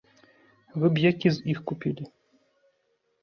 Вы б які з іх купілі?